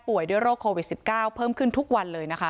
ด้วยโรคโควิด๑๙เพิ่มขึ้นทุกวันเลยนะคะ